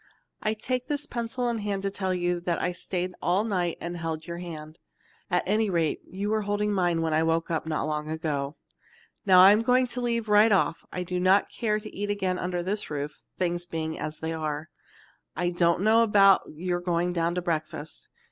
"I take this pencil in hand to tell you that I stayed all night and held your hand. At any rate you were holding mine when I woke up not long ago. "Now I am going to leave right off, as I do not care to eat again under this roof, things being as they are. I don't know about your going down to breakfast.